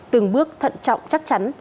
từng bước thận trọng chắc chắn